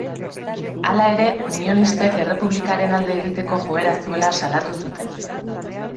Hala ere, unionistek errepublikaren alde egiteko joera zuela salatu zuten.